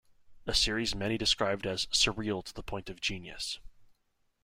A series many described as "surreal to the point of genius".